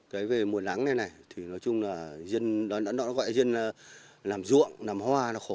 cái về mùa nắng này thì nói chung là nó gọi là riêng làm ruộng làm hoa là khổ